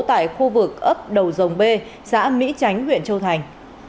tại khu vực ấp đầu dòng b xã mỹ chánh huyện châu thành